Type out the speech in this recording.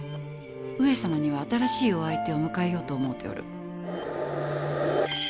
上様には新しいお相手を迎えようと思うておる。